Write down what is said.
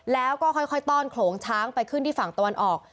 แล้วก็ค่อยต้อนโขลงช้างไปขึ้นที่ฝั่งตะวันออก